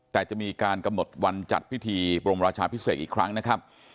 แต่จะมีการกำหนดวันจัดพิธีบรมราชาพิเศษอีกครั้งนะครับ